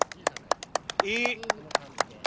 いい！